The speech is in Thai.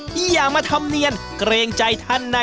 กิอเดยหินได้